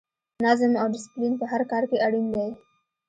نظم او ډسپلین په هر کار کې اړین دی.